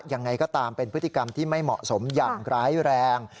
ยังไงก็ตามเป็นพฤติกรรมที่ไม่เหมาะสมอย่างร้ายแรง